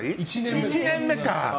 １年目か。